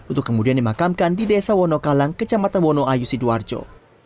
untuk kemudian dimakamkan di desa wonokalang kecamatan wonoayu sidoarjo